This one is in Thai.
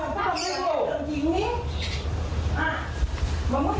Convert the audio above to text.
เราเจ้ากันหรือไปโดดเหลืองไอ้ได้ที่นี่